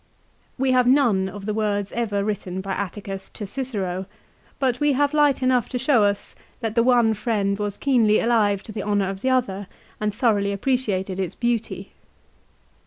We have none of the words ever written by Atticus to Cicero, but we have light enough to show us that the one friend was keenly alive to the honour of the other and thoroughly appreciated its beauty.